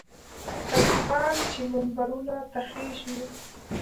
خطیبان چې منبرونو ته خېژي.